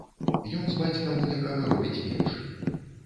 Ён з бацькам у некага робіць печ.